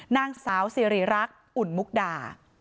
นางสาวซีรีรักอุ่นมุกดา